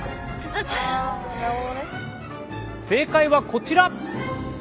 正解はこちら。